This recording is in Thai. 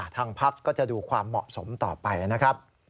ทางพักก็จะดูความเหมาะสมต่อไปนะครับ